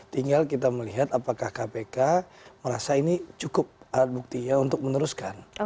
tinggal kita melihat apakah kpk merasa ini cukup alat buktinya untuk meneruskan